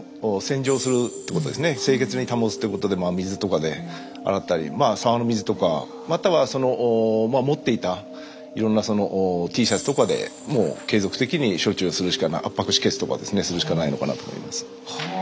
清潔に保つってことで真水とかで洗ったりまあ沢の水とかまたは持っていたいろんなＴシャツとかでもう継続的に処置をするしか圧迫止血とかですねするしかないのかなと思います。